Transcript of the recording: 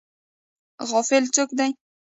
غافل څوک دی؟